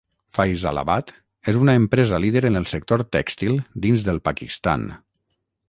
Faisalabad és una empresa líder en el sector tèxtil dins del Pakistan.